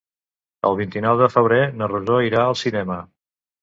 El vint-i-nou de febrer na Rosó irà al cinema.